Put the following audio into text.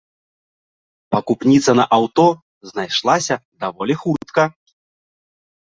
Пакупніца на аўто знайшлася даволі хутка.